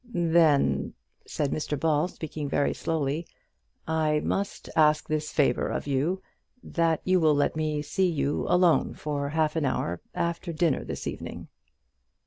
"Then," said Mr Ball, speaking very slowly, "I must ask this favour of you, that you will let me see you alone for half an hour after dinner this evening."